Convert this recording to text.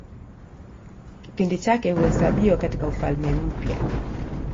Kipindi chake huhesabiwa katIka Ufalme Mpya.